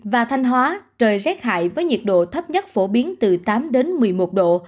và thanh hóa trời rét hại với nhiệt độ thấp nhất phổ biến từ tám đến một mươi một độ